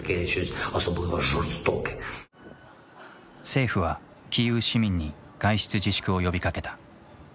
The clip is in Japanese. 政府はキーウ市民に外出自粛を呼びかけた。